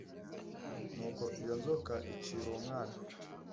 Nuko iyo nzoka icira uwo mwana